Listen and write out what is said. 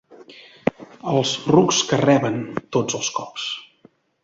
Els rucs que reben tots els cops.